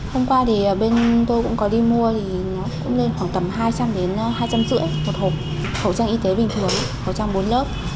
hôm qua thì bên tôi cũng có đi mua thì nó cũng lên khoảng tầm hai trăm linh đến hai trăm năm mươi một hộp khẩu trang y tế bình thường khẩu trang bốn lớp